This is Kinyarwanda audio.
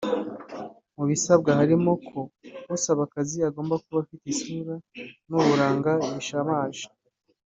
mu bisabwa harimo ko usaba akazi agomba kuba afite isura n’uburanga bishamaje